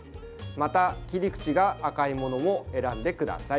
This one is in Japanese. また、切り口が赤いものを選んでください。